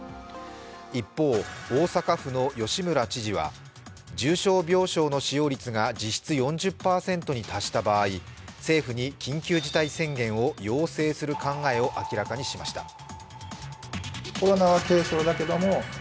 一方、大阪府の吉村知事は重症病床の使用率が実質４０％に達した場合、政府に緊急事態宣言を要請する考えを明らかにしました。